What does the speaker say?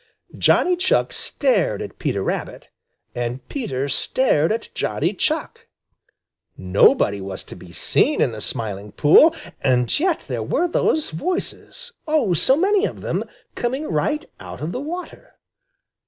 Johnny Chuck stared at Peter Rabbit, and Peter stared at Johnny Chuck. Nobody was to be seen in the Smiling Pool, and yet there were those voices oh, so many of them coming right out of the water.